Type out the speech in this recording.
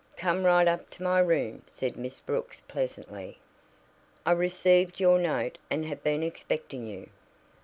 "Come right up to my room," said Miss Brooks pleasantly. "I received your note, and have been expecting you."